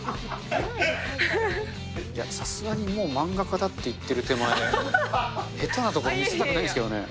さすがにもう漫画家だって言ってる手前、下手なところ見せたくないんですけどね。